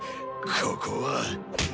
ここは。